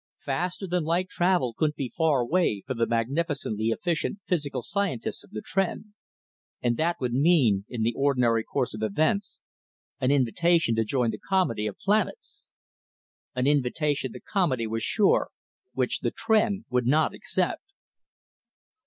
Faster than light travel couldn't be far away, for the magnificently efficient physical scientists of the Tr'en and that would mean, in the ordinary course of events, an invitation to join the Comity of Planets. An invitation, the Comity was sure, which the Tr'en would not accept.